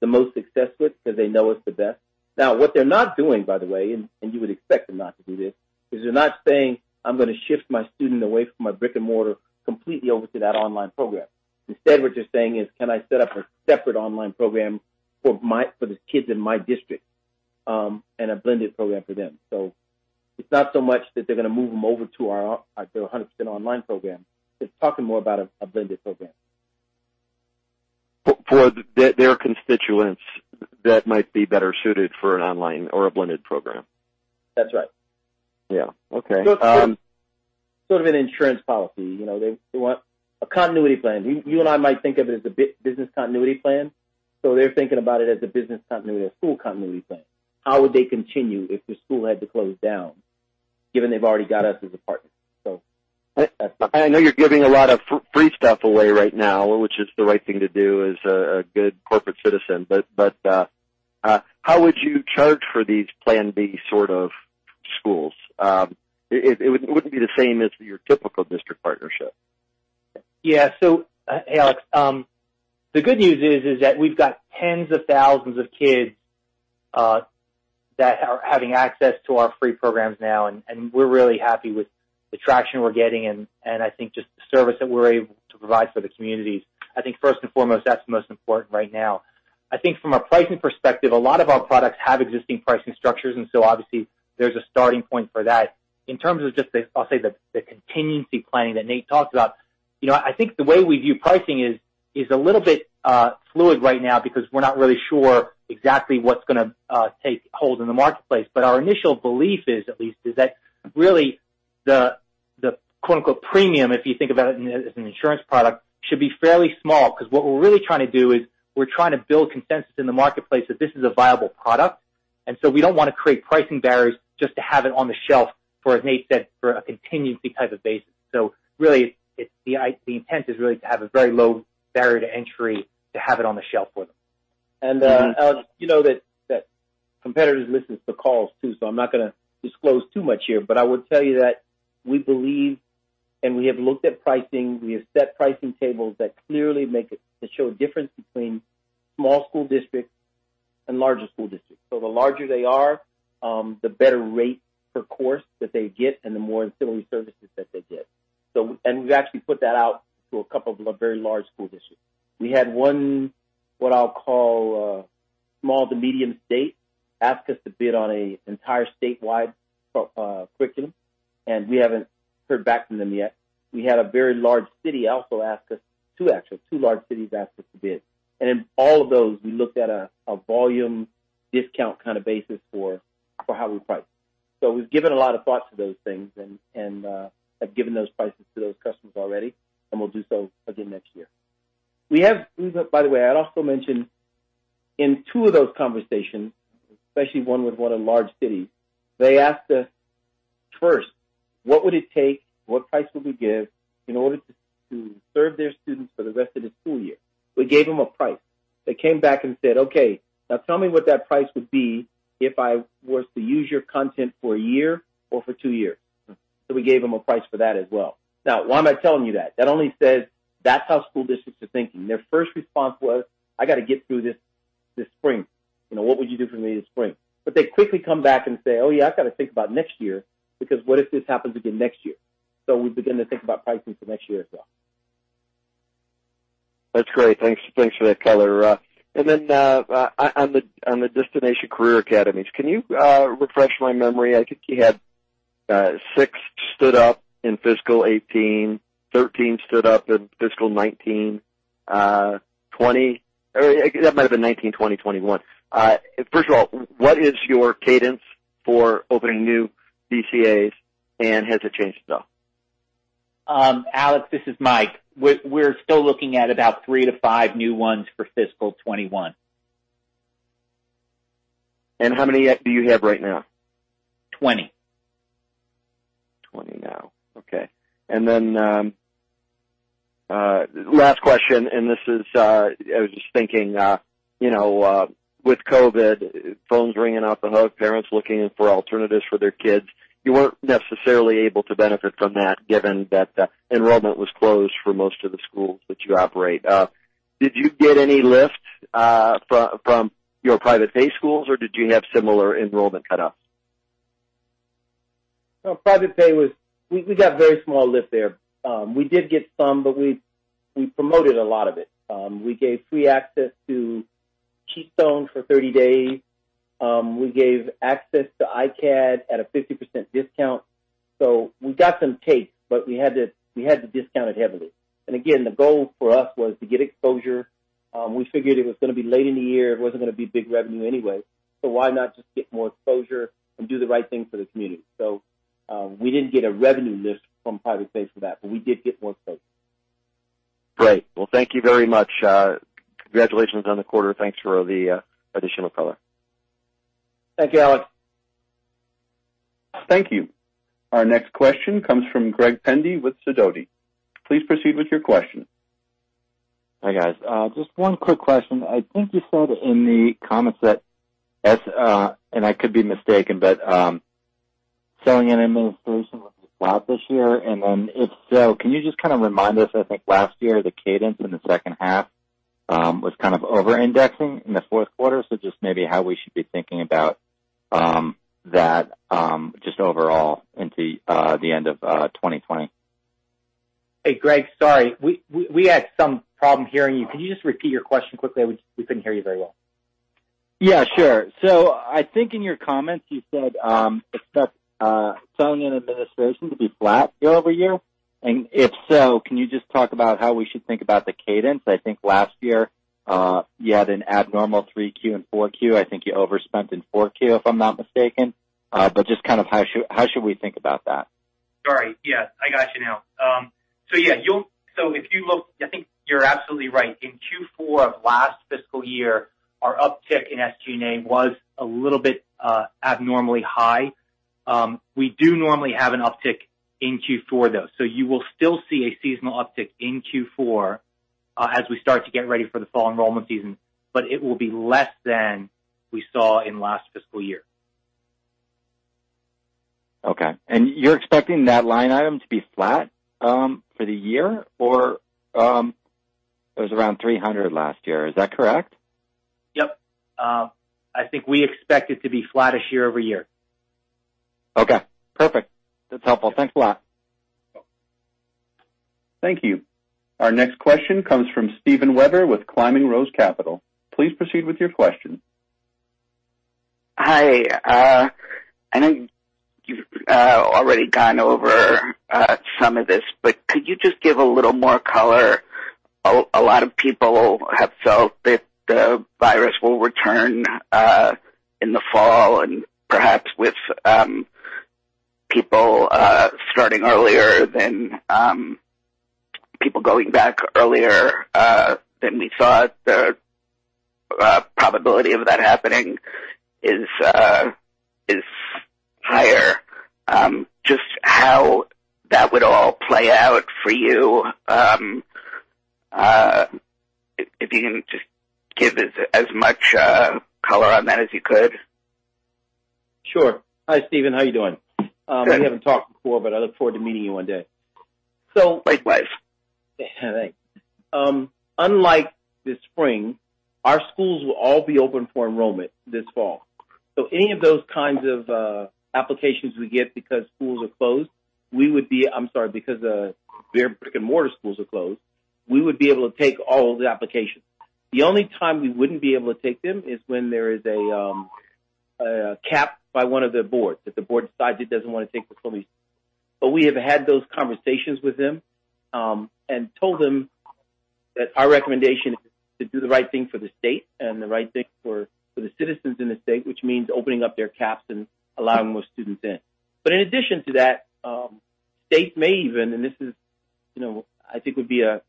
success with because they know us the best. Now, what they're not doing, by the way, and you would expect them not to do this, is they're not saying, "I'm going to shift my student away from my brick-and-mortar completely over to that online program." Instead, what they're saying is, "Can I set up a separate online program for the kids in my district and a blended program for them?" So it's not so much that they're going to move them over to our 100% online program. They're talking more about a blended program. For their constituents, that might be better suited for an online or a blended program. That's right. Yeah. Okay. So it's sort of an insurance policy. They want a continuity plan. You and I might think of it as a business continuity plan. So they're thinking about it as a business continuity, a school continuity plan. How would they continue if the school had to close down, given they've already got us as a partner? So that's it. I know you're giving a lot of free stuff away right now, which is the right thing to do as a good corporate citizen, but how would you charge for these plan B sort of schools? It wouldn't be the same as your typical district partnership. Yeah. So, Alex, the good news is that we've got tens of thousands of kids that are having access to our free programs now, and we're really happy with the traction we're getting and, I think, just the service that we're able to provide for the communities. I think, first and foremost, that's the most important right now. I think from a pricing perspective, a lot of our products have existing pricing structures, and so obviously, there's a starting point for that. In terms of just, I'll say, the contingency planning that Nate talked about, I think the way we view pricing is a little bit fluid right now because we're not really sure exactly what's going to take hold in the marketplace. But our initial belief is, at least, is that really the "premium," if you think about it as an insurance product, should be fairly small because what we're really trying to do is we're trying to build consensus in the marketplace that this is a viable product. And so we don't want to create pricing barriers just to have it on the shelf, for as Nate said, for a contingency type of basis. So really, the intent is really to have a very low barrier to entry to have it on the shelf for them. And Alex, you know that competitors listen to calls too, so I'm not going to disclose too much here, but I would tell you that we believe and we have looked at pricing. We have set pricing tables that clearly show a difference between small school districts and larger school districts. So the larger they are, the better rate per course that they get and the more utility services that they get. And we've actually put that out to a couple of very large school districts. We had one, what I'll call, small to medium state ask us to bid on an entire statewide curriculum, and we haven't heard back from them yet. We had a very large city also ask us; two, actually, two large cities asked us to bid. And in all of those, we looked at a volume discount kind of basis for how we price. So we've given a lot of thought to those things and have given those prices to those customers already, and we'll do so again next year. We have, by the way, I'd also mentioned in two of those conversations, especially one with one of the large cities, they asked us first, "What would it take? What price would we give in order to serve their students for the rest of the school year?" We gave them a price. They came back and said, "Okay. Now tell me what that price would be if I was to use your content for a year or for two years." So we gave them a price for that as well. Now, why am I telling you that? That only says that's how school districts are thinking. Their first response was, "I got to get through this spring. What would you do for me this spring?" But they quickly come back and say, "Oh yeah, I got to think about next year because what if this happens again next year?" So we begin to think about pricing for next year as well. That's great. Thanks for that, color. And then on the Destinations Career Academies, can you refresh my memory? I think you had six stood up in fiscal 2018, 13 stood up in fiscal 2019, 2020. That might have been 2019, 2020, 2021. First of all, what is your cadence for opening new DCAs, and has it changed at all? Alex, this is Mike. We're still looking at about three to five new ones for fiscal 2021. And how many do you have right now? 20. 20 now. Okay. And then, last question, and this is – I was just thinking – with COVID, phones ringing off the hook, parents looking for alternatives for their kids. You weren't necessarily able to benefit from that given that enrollment was closed for most of the schools that you operate. Did you get any lift from your private pay schools, or did you have similar enrollment cutoffs? Private pay, we got very small lift there. We did get some, but we promoted a lot of it. We gave free access to Keystone for 30 days. We gave access to iCademy at a 50% discount. So we got some takes, but we had to discount it heavily. And again, the goal for us was to get exposure. We figured it was going to be late in the year. It wasn't going to be big revenue anyway. So why not just get more exposure and do the right thing for the community? So we didn't get a revenue lift from private pay for that, but we did get more exposure. Great. Well, thank you very much. Congratulations on the quarter. Thanks for the additional color. Thank you, Alex. Thank you. Our next question comes from Greg Pendy with Sidoti. Please proceed with your question. Hi, guys. Just one quick question. I think you said in the comments that, and I could be mistaken, but selling and administration would be flat this year. And then if so, can you just kind of remind us, I think last year, the cadence in the second half was kind of over-indexing in the Q4? So just maybe how we should be thinking about that just overall into the end of 2020. Hey, Greg, sorry. We had some problem hearing you. Can you just repeat your question quickly? We couldn't hear you very well. Yeah, sure. So I think in your comments, you said expect selling and administration to be flat year over year. And if so, can you just talk about how we should think about the cadence? I think last year you had an abnormal Q3 and Q4. I think you overspent in Q4, if I'm not mistaken. But just kind of how should we think about that? Sorry. Yes, I got you now. So yeah, if you look, I think you're absolutely right. In Q4 of last fiscal year, our uptick in SG&A was a little bit abnormally high. We do normally have an uptick in Q4, though. So you will still see a seasonal uptick in Q4 as we start to get ready for the fall enrollment season, but it will be less than we saw in last fiscal year. Okay. And you're expecting that line item to be flat for the year, or it was around 300 last year. Is that correct? Yep. I think we expect it to be flatter year-over-year. Okay. Perfect. That's helpful. Thanks a lot. Thank you. Our next question comes from Steven Weber with Climbing Rose Capital. Please proceed with your question. Hi. I know you've already gone over some of this, but could you just give a little more color? A lot of people have felt that the virus will return in the fall and perhaps with people starting earlier than people going back earlier than we thought. The probability of that happening is higher. Just how that would all play out for you, if you can just give as much color on that as you could. Sure. Hi, Steven. How are you doing? We haven't talked before, but I look forward to meeting you one day. So. Likewise. Thanks. Unlike this spring, our schools will all be open for enrollment this fall. So any of those kinds of applications we get because schools are closed, we would be. I'm sorry, because their brick and mortar schools are closed. We would be able to take all of the applications. The only time we wouldn't be able to take them is when there is a cap by one of the boards, that the board decides it doesn't want to take the schools. But we have had those conversations with them and told them that our recommendation is to do the right thing for the state and the right thing for the citizens in the state, which means opening up their caps and allowing more students in. But in addition to that, states may even, and this is, I think, would be a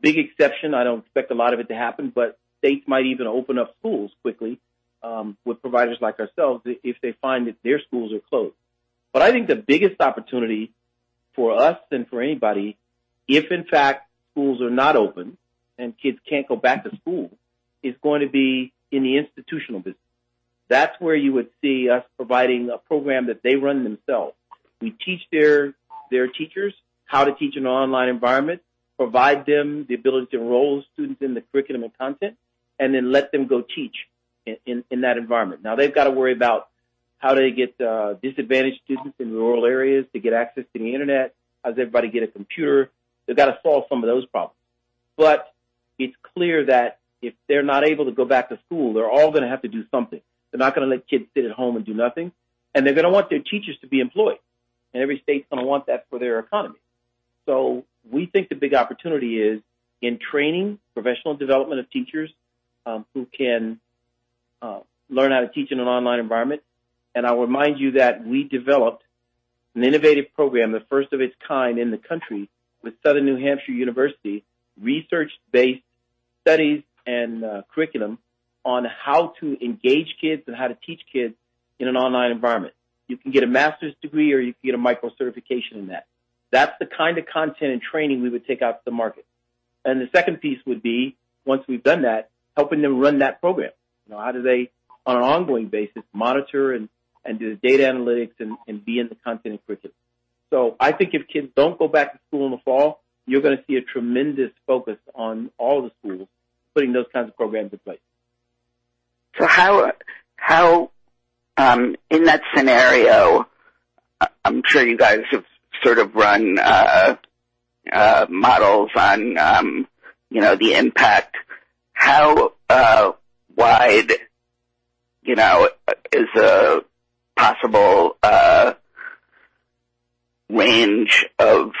big exception. I don't expect a lot of it to happen, but states might even open up schools quickly with providers like ourselves if they find that their schools are closed. But I think the biggest opportunity for us and for anybody, if in fact schools are not open and kids can't go back to school, is going to be in the institutional business. That's where you would see us providing a program that they run themselves. We teach their teachers how to teach in an online environment, provide them the ability to enroll students in the curriculum and content, and then let them go teach in that environment. Now, they've got to worry about how do they get disadvantaged students in rural areas to get access to the internet? How does everybody get a computer? They've got to solve some of those problems. But it's clear that if they're not able to go back to school, they're all going to have to do something. They're not going to let kids sit at home and do nothing. And they're going to want their teachers to be employed. And every state's going to want that for their economy. So we think the big opportunity is in training, professional development of teachers who can learn how to teach in an online environment. I'll remind you that we developed an innovative program, the first of its kind in the country with Southern New Hampshire University, research-based studies and curriculum on how to engage kids and how to teach kids in an online environment. You can get a master's degree or you can get a micro-certification in that. That's the kind of content and training we would take out to the market. The second piece would be, once we've done that, helping them run that program. How do they, on an ongoing basis, monitor and do the data analytics and be in the content and curriculum? I think if kids don't go back to school in the fall, you're going to see a tremendous focus on all of the schools putting those kinds of programs in place. So in that scenario, I'm sure you guys have sort of run models on the impact. How wide is a possible range of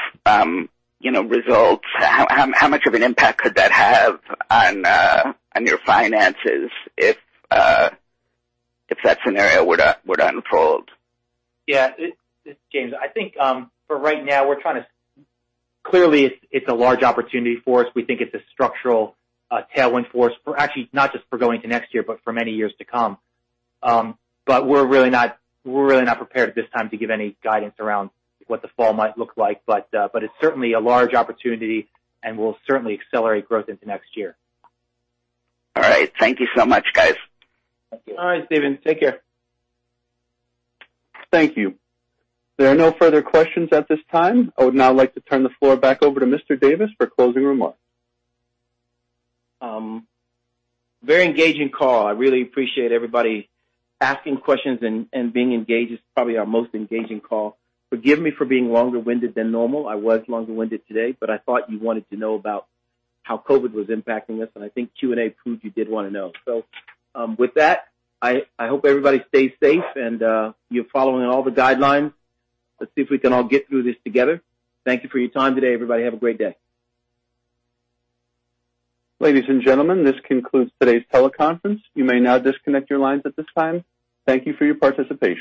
results? How much of an impact could that have on your finances if that scenario were to unfold? Yeah. James, I think for right now, we're trying to, clearly, it's a large opportunity for us. We think it's a structural tailwind for us, actually, not just for going to next year, but for many years to come. But we're really not prepared at this time to give any guidance around what the fall might look like. But it's certainly a large opportunity, and we'll certainly accelerate growth into next year. All right. Thank you so much, guys. Thank you. All right, Steven. Take care. Thank you. There are no further questions at this time. I would now like to turn the floor back over to Mr. Davis for closing remarks. Very engaging call. I really appreciate everybody asking questions and being engaged. It's probably our most engaging call. Forgive me for being longer-winded than normal. I was longer-winded today, but I thought you wanted to know about how COVID was impacting us. And I think Q&A proved you did want to know. So with that, I hope everybody stays safe and you're following all the guidelines. Let's see if we can all get through this together. Thank you for your time today, everybody. Have a great day. Ladies and gentlemen, this concludes today's teleconference. You may now disconnect your lines at this time. Thank you for your participation.